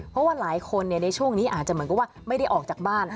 เพราะว่าหลายคนในช่วงนี้อาจจะเหมือนกับว่าไม่ได้ออกจากบ้าน